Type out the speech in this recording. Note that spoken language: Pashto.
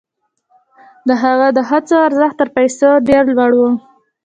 د هغه د هڅو ارزښت تر پیسو ډېر لوړ و.